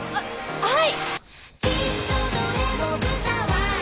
はい。